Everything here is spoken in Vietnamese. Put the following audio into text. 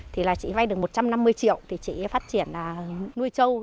thì là chị vay được một trăm năm mươi triệu thì chị phát triển nuôi trâu